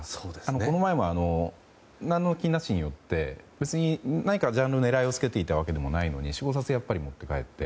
この前も、何の気なしに寄って別に何かジャンルに狙いをつけていたわけでもないのに４５冊、やっぱり買って帰って。